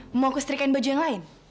mau kesterikain baju yang lain